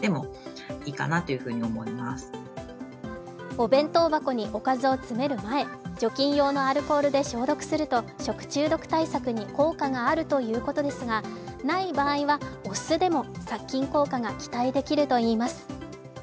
お弁当箱におかずを詰める前、除菌用アルコールで消毒すると食中毒対策に効果があるということですがない場合はお酢でも殺菌効果が期待されるということです